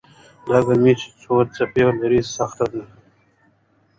دا ګړه چې څو څپې لري، سخته ده.